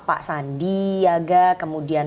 pak sandiaga kemudian